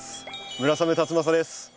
村雨辰剛です。